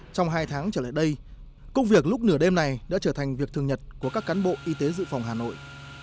trong hai tháng trở lại đây công việc lúc nửa đêm này đã trở thành việc thường nhật của các cán bộ y tế dự phòng hà nội